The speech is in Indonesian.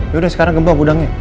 yaudah sekarang kembang udangnya